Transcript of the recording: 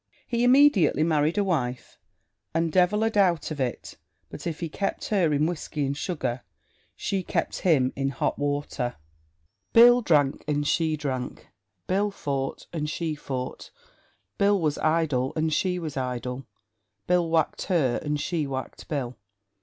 He immediately married a wife, and devil a doubt of it, but if he kept her in whiskey and sugar, she kept him in hot water. Bill drank and she drank; Bill fought and she fought; Bill was idle and she was idle; Bill whacked her and she whacked Bill.